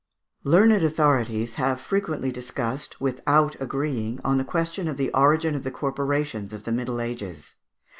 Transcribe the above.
Learned authorities have frequently discussed, without agreeing, on the question of the origin of the Corporations of the Middle Ages.